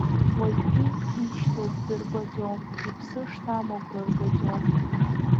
Уажәгьы ишьҭоуп, дырбаӡом, иԥсы шҭам агәра ргаӡом.